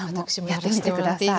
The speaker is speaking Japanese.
やってみて下さい。